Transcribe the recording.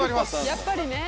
やっぱりね。